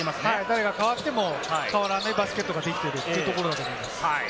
誰が代わっても変わらないバスケットができていると思います。